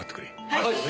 はい！